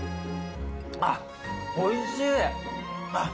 あっおいしい。